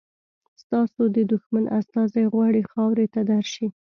ستاسو د دښمن استازی غواړي خاورې ته درشي.